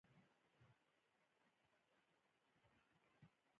فرانسویانو له دوستی څخه وبېروي.